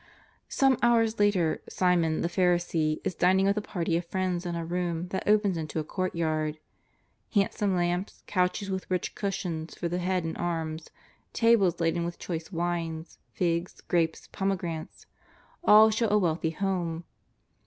Some hours later Simon, the Pharisee, is dining with a party of friends in a room that opens into a court yard. Handsome lamps, couches with rich cushions for the head and arms, tables laden with choice wines, figs, grapes, pomegranates — all show a wealthy home.